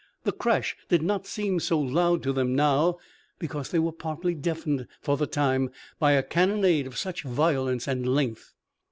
The crash did not seem so loud to them now, because they were partly deafened for the time by a cannonade of such violence and length.